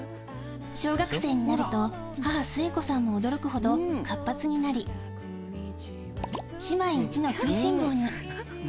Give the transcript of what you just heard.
小学生になると、母、末子さんも驚くほど活発になり、姉妹一の食いしん坊に。